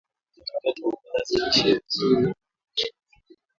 Katakata viazi lishe vizuri kabla ya kupika